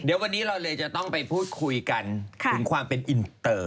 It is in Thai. เดี๋ยววันนี้เราเลยจะต้องไปพูดคุยกันถึงความเป็นอินเตอร์